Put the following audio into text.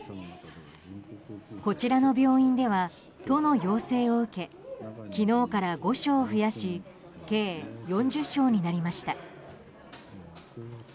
こちらの病院では都の要請を受け昨日から５床増やし計４０床になりました。